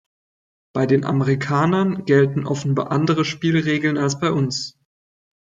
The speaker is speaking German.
Bei den Amerikanern gelten offenbar andere Spielregeln als bei uns.